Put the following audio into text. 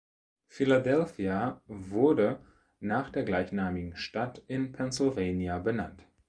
Philadelphia wurde nach der gleichnamigen Stadt in Pennsylvania benannt.